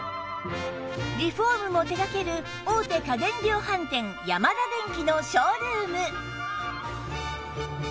リフォームも手掛ける大手家電量販店ヤマダデンキのショールーム